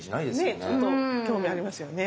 ねちょっと興味ありますよね。